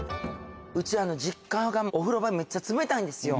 うち実家がお風呂場めっちゃ冷たいんですよ。